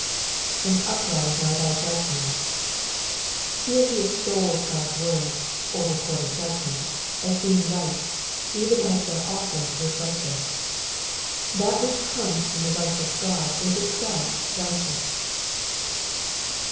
^^And upright are thy judgments.'*'' Here he extols God's word, or recorded judgments, as being right, even as their Author is righteous. That which comes from the Righteous God is itself righteous.